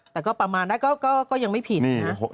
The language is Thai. แต่ก็ประมาณได้ก็ยังไม่ผิดนะ